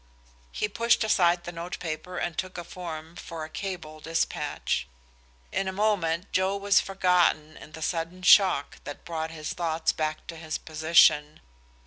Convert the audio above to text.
He pushed aside the note paper and took a form for a cable dispatch. In a moment Joe was forgotten in the sudden shock that brought his thoughts back to his position.